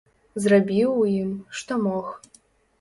Зрабіў у ім, што мог.